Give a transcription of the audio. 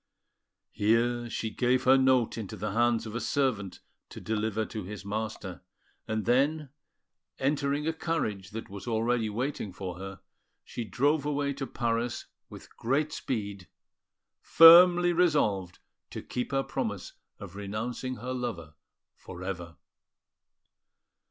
Here she gave her note into the hands of a servant to deliver to his master; and then, entering a carriage that was already waiting for her, she drove away to Paris with great speed, firmly resolved to keep her promise of renouncing her lover for ever.